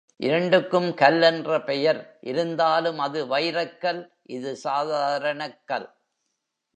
இரண்டுக்கும் கல் என்ற பெயர் இருந்தாலும் அது வைரக் கல் இது சாதாரணக் கல்.